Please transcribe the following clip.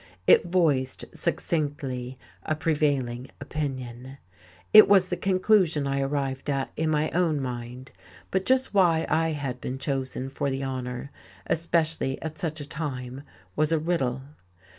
It voiced, succinctly, a prevailing opinion. It was the conclusion I arrived at in my own mind. But just why I had been chosen for the honour, especially at such a time, was a riddle.